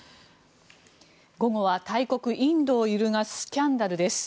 午後は大国インドを揺るがすスキャンダルです。